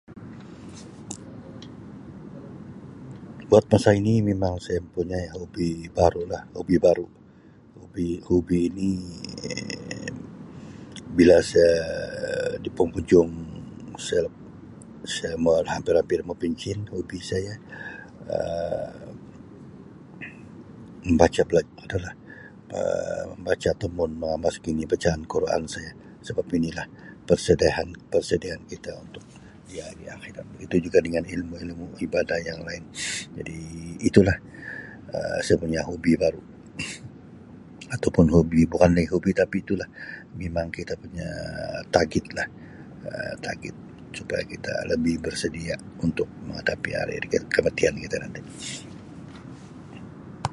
Buat masa ini memang saya mempunyai hobi baru lah hobi baru hobi hobi ni bila sia di penghujung sia usia hampir-hampir mau pencen hobi saya Um membaca [unintelligible] itu lah Um membaca dan ataupun mengemas kini bacaan Al-Quran saya sebab ini lah persediaan persediaan kita untuk di hari akhirat begitu juga dengan ilmu ilmu ibadah yang lain jadi itulah saya Um punya hobi baru ataupun hobi bukanlah hobi tapi tu lah mimang kita punya targetlah target supaya kita bersedia untuk menghadapi hari hari kematian kita nanti.